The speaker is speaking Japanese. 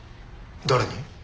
誰に？